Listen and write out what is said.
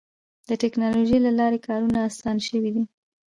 د ټکنالوجۍ له لارې کارونه اسانه شوي دي.